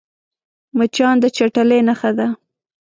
مچان د چټلۍ نښه ده